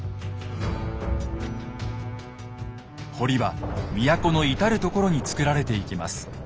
堀は都の至る所に造られていきます。